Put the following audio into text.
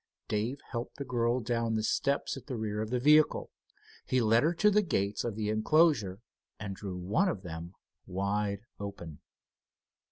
Dave helped the girl down the steps at the rear of the vehicle. He led her to the gates of the enclosure and drew one of them wide open.